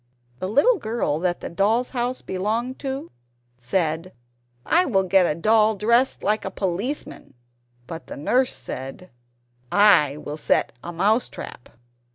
The little girl that the doll's house belonged to, said, "I will get a doll dressed like a policeman!" But the nurse said, "I will set a mouse trap!"